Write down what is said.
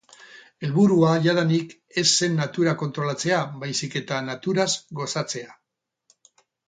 Helburua jadanik ez zen natura kontrolatzea, baizik eta naturaz gozatzea.